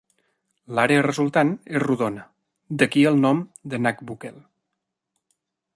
L'àrea resultant és rodona, d'aquí el nom de Nagbukel.